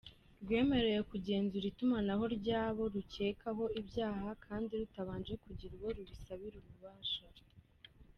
Rwemerewe kugenzura itumanaho ry'abo rukekaho ibyaha, kandi rutabanje kugira uwo rubisabira ububasha.